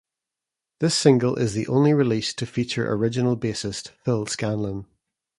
This single is the only release to feature original bassist Phil Scanlon.